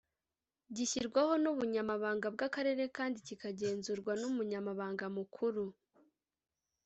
gishyirwaho n’ubunyamabanga bw’akarere kandi kikagenzurwa n’umunyamabanga mukuru